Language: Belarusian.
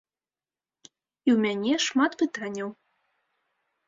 І у мяне шмат пытанняў.